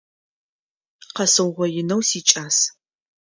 Къэсыугъоинэу сикӏас.